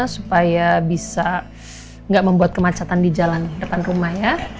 supaya bisa nggak membuat kemacetan di jalan depan rumah ya